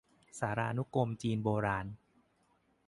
สารานุกรมจีนโบราณ